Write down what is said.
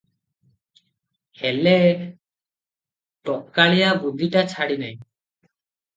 ହେଲେ ଟୋକାଳିଆ ବୁଦ୍ଧିଟା ଛାଡ଼ି ନାହିଁ ।